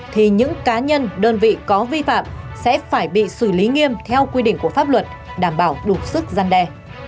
thì những cá nhân đơn vị có vi phạm sẽ phải bị xử lý nghiêm theo quy định của pháp luật đảm bảo đủ sức gian đe